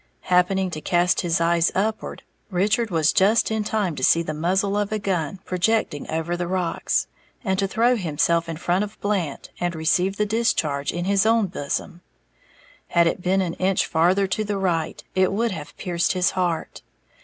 Happening to cast his eyes upward, Richard was just in time to see the muzzle of a gun projecting over the rocks, and to throw himself in front of Blant and receive the discharge in his own bosom. Had it been an inch farther to the right, it would have pierced his heart.